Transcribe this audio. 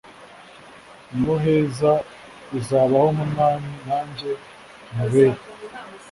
niho heza uzabaho nkumwami najye nkubere